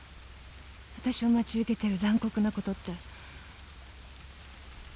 わたしを待ち受けてる残酷なことって。